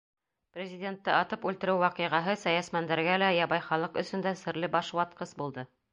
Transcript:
Президентты атып үлтереү ваҡиғаһы сәйәсмәндәргә лә, ябай халыҡ өсөн дә серле башватҡыс булды.